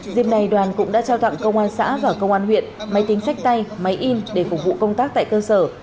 dịp này đoàn cũng đã trao tặng công an xã và công an huyện máy tính sách tay máy in để phục vụ công tác tại cơ sở